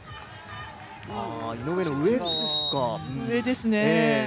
上ですね。